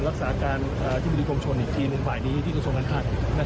รักษาการอธิบดีกรมชนอีกทีหนึ่งฝ่ายนี้ที่กระทรวงการคลัง